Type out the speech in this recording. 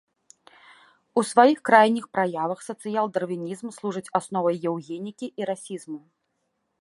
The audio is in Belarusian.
У сваіх крайніх праявах сацыял-дарвінізм служыць асновай еўгенікі і расізму.